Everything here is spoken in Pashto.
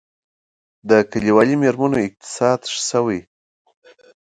د کلیوالي میرمنو اقتصاد ښه شوی؟